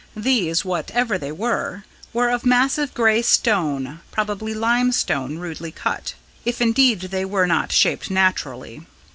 These whatever they were were of massive grey stone, probably limestone rudely cut if indeed they were not shaped naturally.